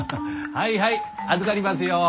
はいはい預かりますよ。